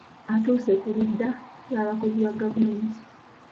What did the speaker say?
Atuuse ku ludda lw’abakozi ba gavumenti.